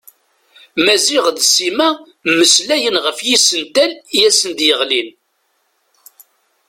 Maziɣ d Sima mmeslayen ɣef yisental i asen-d-yeɣlin.